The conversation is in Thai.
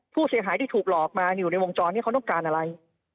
ผู้เสียหายที่ถูกหลอกมาอยู่ในวงจรนี้เขาต้องการอะไร